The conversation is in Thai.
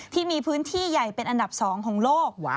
ที่มีพื้นที่ใหญ่เป็นอันดับ๒ของโลก